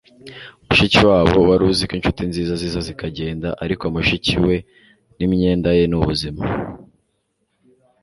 mushikiwabo, wari uziko inshuti nziza ziza zikagenda ariko mushiki we na imyenda ye ni ubuzima